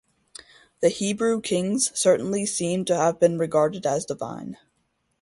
The Hebrew kings certainly seem to have been regarded as divine.